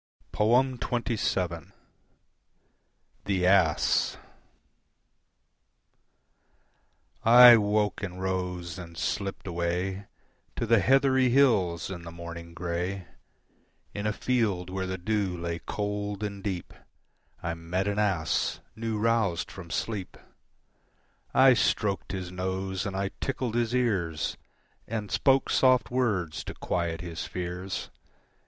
XXVII. The Ass I woke and rose and slipt away To the heathery hills in the morning grey. In a field where the dew lay cold and deep I met an ass, new roused from sleep. I stroked his nose and I tickled his ears, And spoke soft words to quiet his fears.